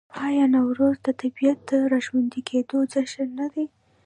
آیا نوروز د طبیعت د راژوندي کیدو جشن نه دی؟